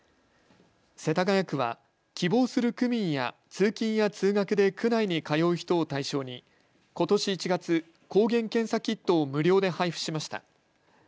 世田谷区は希望する区民や通勤や通学で区内に通う人を対象にことし１月、抗原検査キットを無料で配布しました。